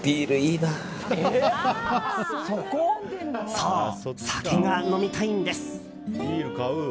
そう、酒が飲みたいんです。